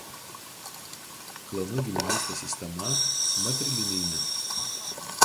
Klanų giminystės sistema matrilinijinė.